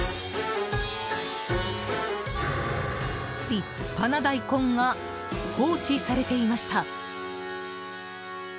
立派な大根が放置されていました。